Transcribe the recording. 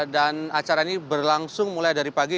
dan acara ini berlangsung mulai dari pagi